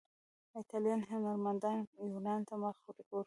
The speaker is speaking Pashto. ایټالیایي هنرمندانو یونان ته مخه وکړه.